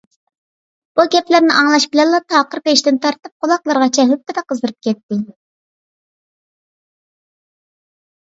بۇ گەپلەرنى ئاڭلاش بىلەنلا تاقىر بېشىدىن تارتىپ قۇلاقلىرىغىچە ھۈپپىدە قىزىرىپ كەتتى.